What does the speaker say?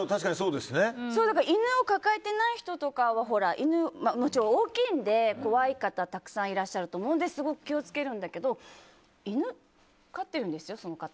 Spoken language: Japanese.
犬を抱えてない人とかはほら、犬、もちろん大きいので怖い方、たくさんいらっしゃると思うので思うのですごく気を付けるんだけど犬飼ってるんですよ、その方。